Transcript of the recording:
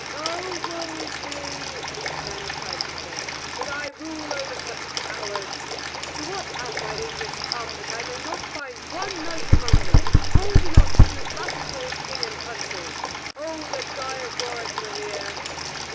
"Oh, we is me!" then cried the King, "that I rule over such cowards. To what have my English come that I may not find one knight among them bold enough to do battle for his King and country? Oh that Guy of Warwick were here!"